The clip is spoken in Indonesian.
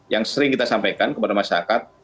yang sering kita sampaikan kepada masyarakat